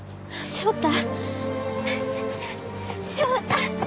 翔太！